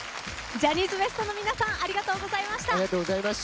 ジャニーズＷＥＳＴの皆さんありがとうございました。